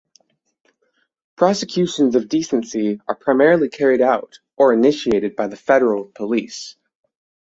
Prosecutions of decency are primarily carried out or initiated by the federal police.